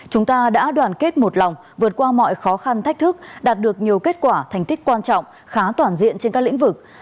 chúng ta đã đoàn kết một lòng vượt qua mọi khó khăn thách thức đạt được nhiều kết quả thành tích quan trọng khá toàn diện trên các lĩnh vực